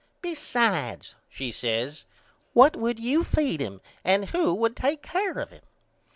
Besides, she says, what would you feed him and who would take care of him?